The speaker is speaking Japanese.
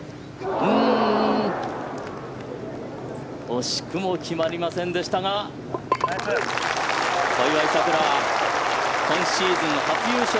惜しくも決まりませんでしたが小祝さくら、今シーズン初優勝。